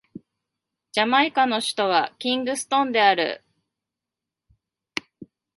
ジャマイカの首都はキングストンである